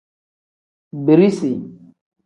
Birisi.